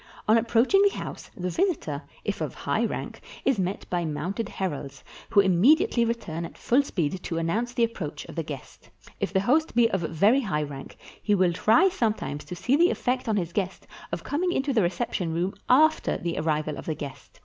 On approaching the house, the visitor, if of high rank, is met by mounted heralds, who immediately return at full speed to annoimce the approach of the guest. If the host be of very high rank, he will try sometimes to see the effect on his guest of coming into the reception room after the arrival of the guest.